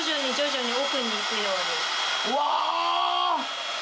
うわ！